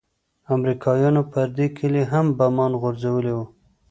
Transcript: امريکايانو پر دې کلي هم بمان غورځولي وو.